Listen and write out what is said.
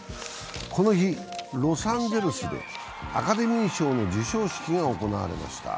この日、ロサンゼルスでアカデミショーの授賞式が行われました。